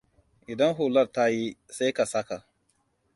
Idan hular ta yi, sai ka saka.